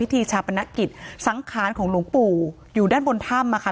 พิธีชาปณจิตสังคารของหลวงปู่อยู่ด้านบนท่ามอะค่ะ